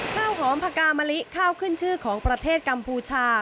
ข้าวหอมพกามะลิข้าวขึ้นชื่อของประเทศกัมพูชา